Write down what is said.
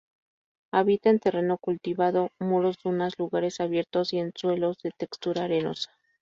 Habita en terreno cultivado, muros, dunas, lugares abiertos y en suelos de textura arenosa.